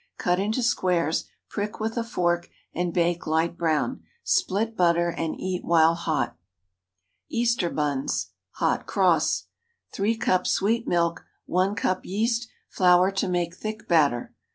Cut into squares, prick with a fork, and bake light brown. Split, butter, and eat while hot. EASTER BUNS ("Hot Cross.") ✠ 3 cups sweet milk. 1 cup yeast. Flour to make thick batter.